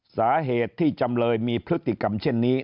สาเหตุที่จำเลยมีพฤติกรรมเช่นนี้